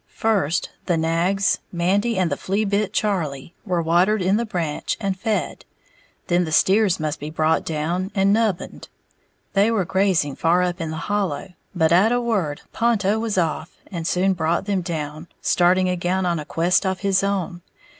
First, the nags, Mandy and the "flea bit" Charlie, were watered in the branch, and fed; then the steers must be brought down and "nubbined." They were grazing far up in a hollow, but at a word Ponto was off, and soon brought them down, starting again on a quest of his own.